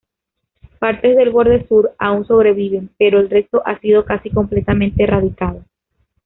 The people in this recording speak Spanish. Partes del borde sur aún sobreviven, pero el resto ha sido casi completamente erradicado.